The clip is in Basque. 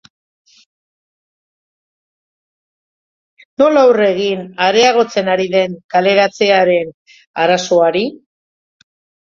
Nola aurre egin areagotzen ari den kaleratzearen arazoari?